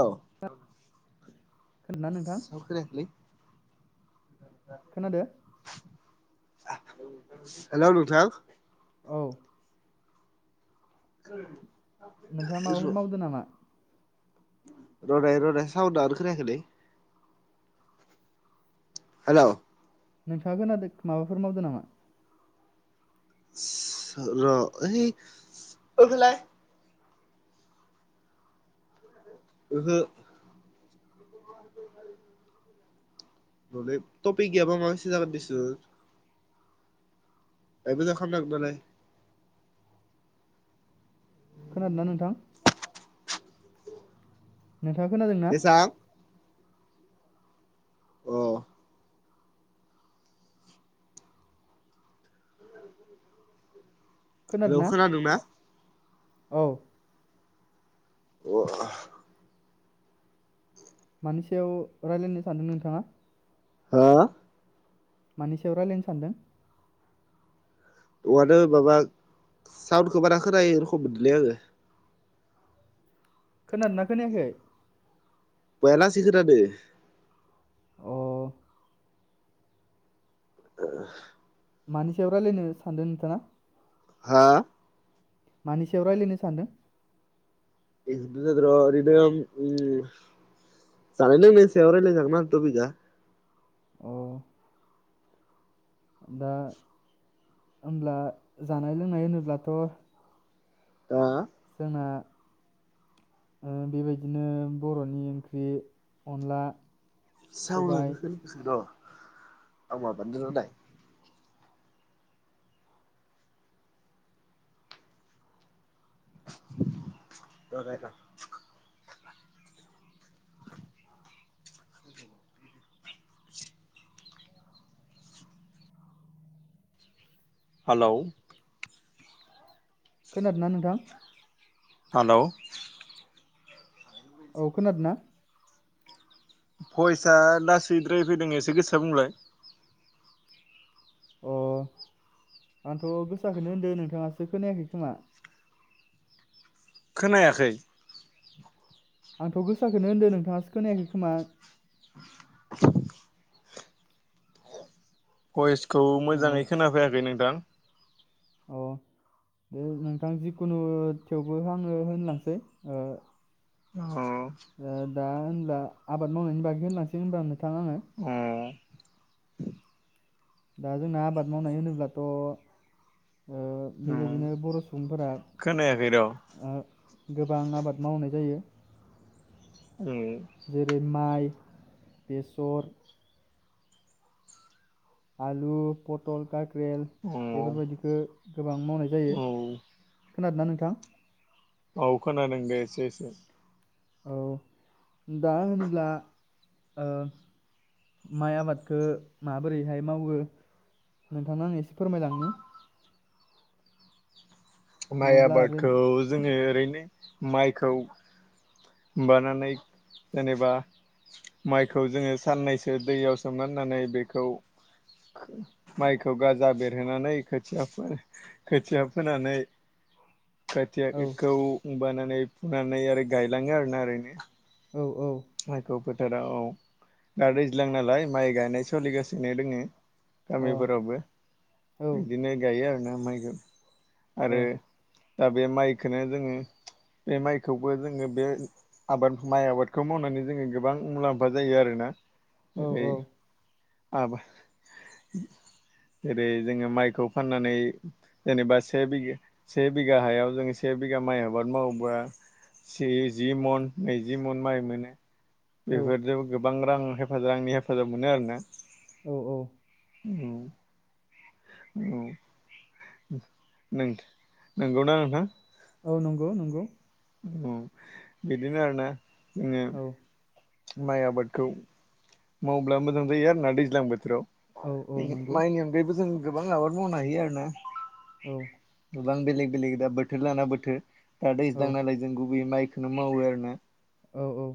औ खोनादोंना नोंथां खोनायाखैलै खोनादो? हेल' नोंथां। औ [inaudible] नोंथाङा माबाफोर मावदों नामा? रनाय रनाय सावन आरो खोनायाखैलै। हेल' नोंथाङा खोनादों माबाफोर मावदों नामा? र ओइ [inaudible] ओहो रदे तफिक गैयाबा माबा मोनसे जागोन देसुन [unintelligible] खोनादोंना नोंथां? नोंथाङा खोनादों ना? बेसां औ हेलौ खोनादोंना? औ अ मानि सायाव रायलायनो सानदों नोंथाङा? हा मानि सायाव रायलायनो सानदों? [unintelligible] माबा साउन्डखौ बारा खोनायै रखम मोनदोंलै आङो। खोनादोंना खोनायाखै? बया लासै खोनादों औ [inaudible] मानि सायाव रायलायनो सानदों नोंथाङा? हा? मानि सायाव रायज्लायनो सान्दों? बेनोथ' जादोंर' ओरैनो ओम जानाय लोंनायनि सायाव रायलायजागोन आरो तफिकआ औ दा होब्ला जानाय लोंनाय होनोब्लाथ' हा? जोंना ओ बेबायदिनो बर'नि ओंख्रि अनला सबाय [unintelligible] र [unintelligible] [unintelligible] [inaudible] हालौ खोनादोंना नोंथां? हालौ औ खोनादों ना? भयसा लासैद्राय फैदों एसे गोसोआ बुंलाय। अ आंथ' गोसाखौनो होनदो नोंथाङासो खोनायाखै खोमा? खोनायाखै। आंथ' गोसाखोनो होनदों नोंथाङासो खोनायाखै खोमा। भयेस खौ अ मोजाङै खोनाफैयाखै नोंथां। अ दे नोंथां जिखुनु थेवबो आङो होनलांसै ओ। अ अ ओ दा होनब्ला आबाद मावनायनि बागै होनलांसै होनबा नोंथां आङो। दा जोंना आबाद मावनाय होनोब्लाथ'ओ उम बेबायदिनो बर' सुबुंफोरा खोनायाखै र' आ गोबां आबाद मावनाय जायो उम जेरै माइ, बेसर। आलु पटल काक्रेल उम औ बेफोरबायदिखो गोबां मावनाय जायो। खोनादोंना नोंथां? औ खोनादों दे एसे एसे। औ दा होनोब्ला ओ माइ आबादखौ माबोरैहाय मावो नोंथांनो आं एसे फोरमायलांनि। माइ नङाब्ला आरो आबादखौ जोङो ओरै माइखौ बानानै जेनेबा माइखौ जोङो साननैसो दैयाव सोमोनानै बेखौ माइखौ गाजा बेरहोनानै खोथिया फो खोथिया फोनानै। खोथिया औ खौ। बानानै फुनानै आरो गायलाङो आरो ना ओरैनो। औ माइखौ फोथाराव औ दा दैज्लां नालाय माइ गायनाय सोलिगासिनो दोङो। औ गामिफोरावबो अ औ बिदिनो गायो आर ना माइ गा औ आरो दा बे माइखौनो जोङो बे माइखौबो जोङो बे आबाद माइ आबाद। खौ मावनानै जोङो गोबां मुलाम्फा जायो आरोना। औ जेरै आबाद जेरै जोङो माइखौ फाननानै जेनेबा से बि से बिगा हायाव जोङो से बिगा माइ आबाद मावोबा से जि मन नैजि मन माइ। मोनो। औ बेेफोरजों गोबां बां रां हेफाजाब आंनि हेफाजाब मोनो आरोना। औ औ औ औ नंगौना नोंथां? औ नंगौ नंगौ। औ बिदिनो आरोना। जोङो औ माइ आबादखौ। मावब्ला मोजां जायो आरो ना दैज्लां बोथोराव। औ औ नंगौ माइनि अनगायैबो जों। गोबां आबाद मावनो हायो आरो ना। औ गोबां बेलेग बेलेग दा बोथोर लाना बोथोर दा औ दैज्लां नालाय जों गुबैयै माइ खोनों मावो आरो ना औ औ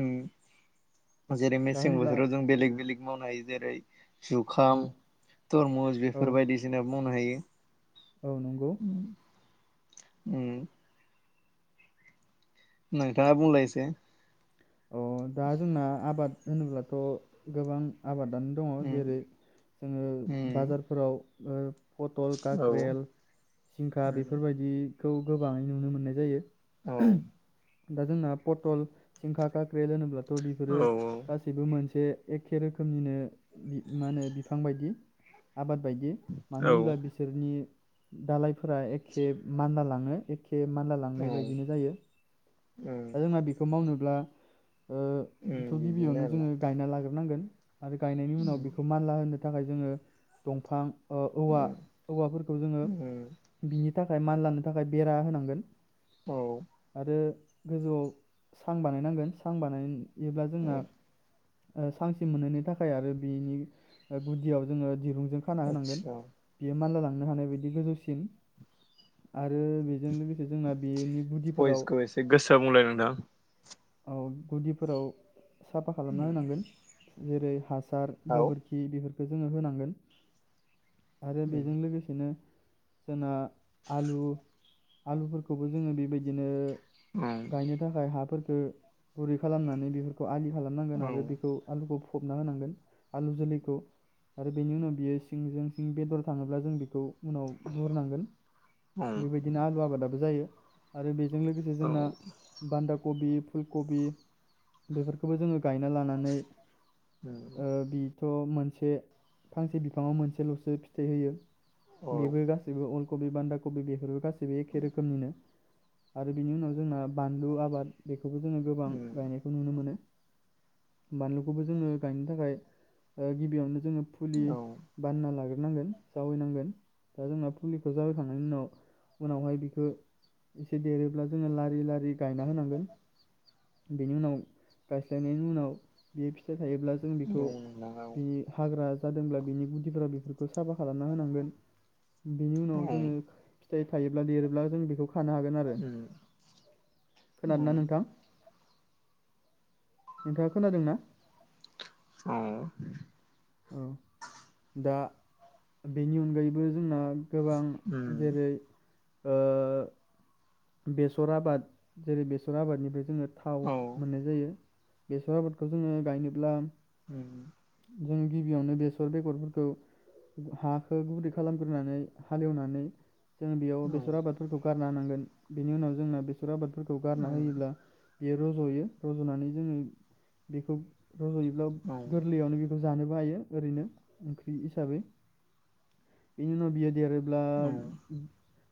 उम्म जेरै दा मेसें होनब्ला बोथोराव जों बेलेग बेलेग मावनो हायो जेरै औ जुखाम तरमुस औ बेफोर बायदिसिना मावनो हायो औ नंगौ उम नोंथाङा बुंलाय एसे। अ दा जोंना आबाद। होनोब्लाथ' गोबां आबादानो दङ उम जेरै जोङो उम बाजारफोराव ओ- पटल औ काक्रेल जिंखा उम बेफोरबायदि। खौ गोबाङै नुनो मोननाय जायो। औ [inaudible] दा जोंना पटल जिंखा काक्रेल होनोब थ' औ बेफोरो गासैबो मोनसे जे एखे रोखोमनिनो मा होनो बिफां बायदि। आबाद बायदि मानो औ होनब्ला बिसोरनि। दालायफोरा एखे मान्दला लाङो एखे। ए मानला लांनाय उम बायदिनो जायो दा जोंना बेखौ मावनो। ब्ला ओ- उम बेखौ बिदिनो गिबियावनो आरोना जोङो गायना लाग्रोनांगोन। आरो गायनायनि उनाव उम बेखौ मानला होनो। नि थाखाय जोङो दंफां। उम औवा-औवाफोरखौ जोङो उम बिनि थाखाय मानलानो थाखाय बेरा होनांगोन। औ आरो। गोजौआव। सां बानायनांगोन सां बानाय एब्ला जोंना। उम सांसिम मोनहैनी थाखाय आरो बेनि गुदियाव जोङो दिरुं जीं खाना होनांगोन आदसा बियो मानला ल मोननो हानाय बायदि गोजौसिम। आरो बेजों लोगोसे जोंना बेनि गुदिफोराव। भइसखौ एसे गोसा बुंलाय नोंथां औ गुदिफोराव‌ साफा खालामना होनांगोन। जेरै ह हासार उम औ उम गोबोरखि बे। बे जोङो होनांगोन। आरो बेजों लोगोसेनो। जोंना आलु आलुफोरखौबो जोङो बेबायदिनो। उम उम गायनो थाखाय हा। फोर गुरै खालामनानै बेफोरखौ आलि खालामनांगोन आरो बेखौ आलुखौ। फबना होनांगोन आलु जोलैखौ, आरो बेनि उनाव बियो सिंजों सिं बेदर थाङोब्ला जों बेखौ उनाव बहुरनांगोन बेबायदिनो आलु आबादाबो जायो। आरो बे जों लोगोसे उम जोंना बान्दाब कबि फुल कबि बेफोरखौबो जोङो। गायना लानानै बि थ' मोनसे फांसे बिफाङाव मोनसेल'सो फिथाइ होयो। औ बेबो गासैबो। कबि बान्दा कबि बेहर गासै। ग एखे रोखोमनिनो। आरो बिनि उनाव जोंना बानलु आबाद। बे बेखौबो जोङो गोबां उम गायनायखौ नुनो मोनो। बानलुखौबो जोङो गायनो थाखाय ओ गिबियावनो जोङो फुलि औ उम बाननायना लाग्रो नांगोन जायैनांगोन दा जोंना फुलिखौ जावयैखांनायनि उनाव उनावहाय बिखौ एसे देरोब्ला जोङो लारि लारि गायना होनांगोन। बेनि उनाव गायस्लायनायनि उनाव बियो फि थायोब्ला जों औ नंगौ नोंथां औ उम बेखौ औ बि हाग्रा जादोंब्ला बिनि गुदिफोरा बेफोर खौ साफा खालामना होनांगोन बेनि उनाव जोङो फिथाइ थायोब्ला देरोब्ला जों बेखौ खानो हागोन आरो। खोनादोंना नों नोंथाङा खोनादों ना? औ औ दा बेनि अनगायैबो जोंना गोबां जेरै ओ बेसर आबाद जेरै बेसर आबादनिफ्राय जोङो थाव मोननाय जायो। बेसर आबादखौ जोङो गायनोब्ला उम उम जों गिबियावनो बेसर बेगरफोरखौ हाखौ गुरै खालामग्रोनानै हालेवनानै जों बेयाव औ बेसर आबादफोरखौ गार लानांगोन। बेनि उनाव जोंना बे सर आबादफोरखौ गारना उम होयोब्ला बेयो रज'यो रज'नानै जोङो बेखौ रज'योब्ला औ उम गोरलैयावनो बे खौ जानोबो हायो ओरैनो ओंख्रि हिसाबै बेनि उनाव बियो देरो अब्ला औ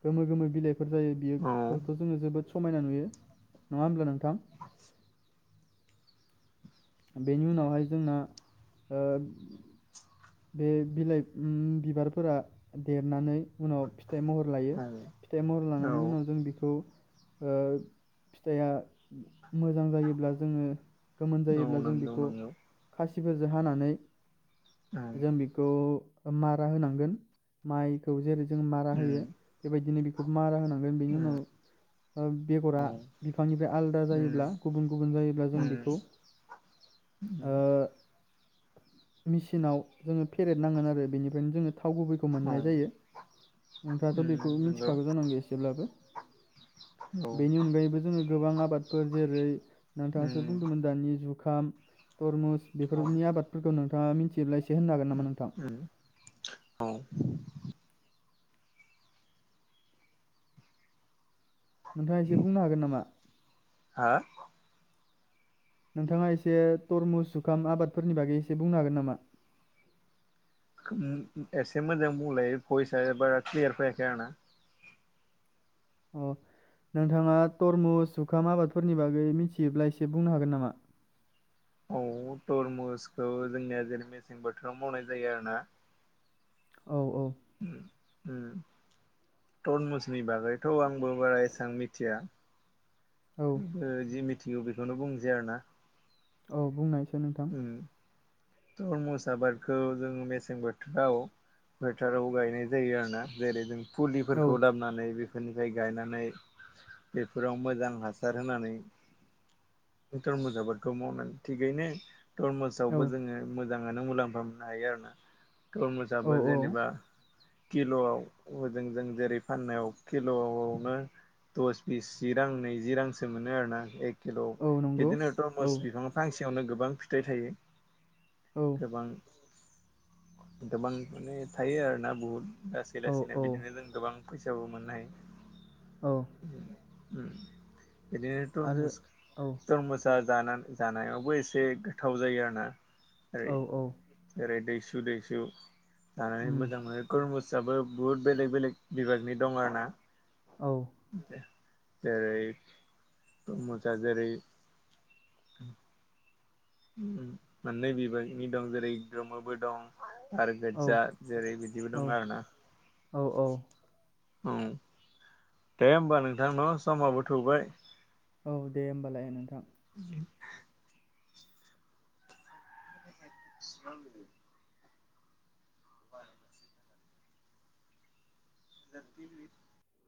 गोमो गोमो बिलाइ फोर जायो औ औ बेखौथ जों जोबोद समायना नुयो नङा होमब्ला नों थां। बेनि उनावहाय जोंना ओ बे बिलाइ उम बिबारफोरा देरनानै उनाव फि थाइ महर लायो औ फिथाइ महर लानायनि उनाव जों बेखौ ओ फिथाइया मोजां जायोब्ला जोङो गोमोन औ जायोब्ला जों नंगौ बेखौ नंगौ खासि फोरजों हानानै। औ जों बेखौ मारा होनांगोन माइखौ जेरै जों मारा होयो उम बेबायदिनो बेखौबो मारा होनांगोन बेनि उनाव ओ बेग'रा औ बिफांनिफ्राय आलादा उम जायोब्ला गुबुन गुबुन जायोब्ला जों उम बेखौ उम ओ मिस नाव जोङो फेरेदनांगोन आरो बेनिफ्रायनो जोङो थाव गुबैखौ औ मोननाय जायो नोंथाङाथ' उम बेखौ नंगौ मिथिखागौ जानांगौ एसेब्लाबो औ बेनि अनगायैबो जोङो गोबां आबादफोर जेरै उम नोंथाङा जे औ बुंदोंमोन दानि जुग खाम तरमुस बेफोरनि आबादफोरखौ नों नोंथाङा मिथि ब्ला इसे उम औ। नोंथाङा एसे बुंनो हागोन नामा? हा? नोंथाङा एसे तरमुस जुखाम आबादफोरनि बागै एसे बुंनो हागोन नामा? एसे मोजां बुंलाय भइसआ बारा क्लियार फैयाखै आंना। अ नोंथाङा तरमुज जुखाम आबादफोरनि बागै मिथियोब्ला एसे बुंनो हागोन नामा? औ तरमुसखौ जोंनिया जेरै मेसें बोथोराव मावनाय जायो आरोना। औ औ उम। उम तरमुसनि बागैथ' आंबो बारा एसेबां मिथिया। औ ओ जि मिथ थिगो बेखौनो बुंसै आरोना। औ बुंनाय नोंथां। उम तरमुस आबादखौ जों मेसें बोथोराव फोथोराव गायनाय जायो आरोना जेरै जों औ फुलिफोरखौ लाबनानै बे बेफोरनिफ्राय गायनानै बेफोराव मोजां हासार होनानै बे टरमुज आबादखौ मावनानै थिगैनो औ तरमुजसावबो जोङो मोजाङानो मुलाम्फा मोननो हायो आरोना। तरमुजआबो औ औ जेनेबा किल'आव हजों जों जेरै फाननायाव किल'आवनो दस बिस जि रां नैजि रांसो मोनो आरोना एक किल' औ नंगौ बिदिनो औ टरमस बिफां फांसे यावनो गोबां फिथाइ थायो। औ गोबां गोबां माने थायो आरो ना बहुत। लासै औ लासैनो औ बिदिनो जों गोबां फैसाबो मोननाय औ उम बिदिनो आरो तरमुस औ तरमुसा जानान जानायावबो एसे गोथाव जायो आरो ना ओरै औ औ ओरै दैस दैसु- दैसु जानानै उम मोजां मोनो कुरमुस फिसाबो बुहुद बेलेग बेलेग बिभागनि दं आरो ना औ [inaudible] जेरै तुरमुजा जेरै मोननै बिबागनि दं जेरै गोमोबो दं आरो गोज्जा जेरै बिदिबो दं औ आरोना। औ औ औ दे होमबा नोंथां ना समाबो थौबाय औ दे होमबालाय नोंथां। [inaudible] [inaudible] [unintelligible]